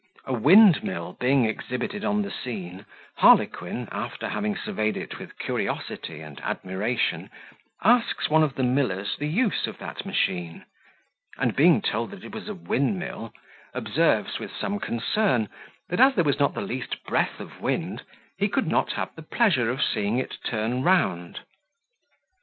A windmill being exhibited on the scene, harlequin, after having surveyed it with curiosity and admiration, asks one of the millers the use of that machine; and being told that it was a windmill, observes, with some concern, that as there was not the least breath of wind, he could not have the pleasure of seeing it turn round.